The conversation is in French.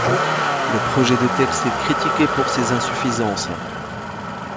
Le projet de texte est critiqué pour ses insuffisances.